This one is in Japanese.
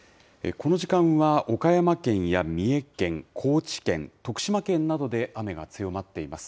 この時間は、岡山県や三重県、高知県、徳島県などで雨が強まっています。